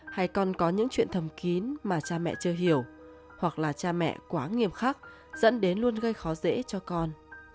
hay còn có những chuyện thầm kín mà cha mẹ chưa hiểu hoặc là cha mẹ quá nghiêm khắc dẫn đến luôn gây khó dễ cho con